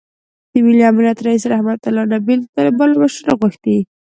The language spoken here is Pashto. د ملي امنیت رییس رحمتالله نبیل د طالبانو له مشرانو غوښتي